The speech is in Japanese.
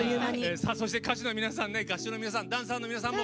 そして、歌手の皆さん合唱の皆さん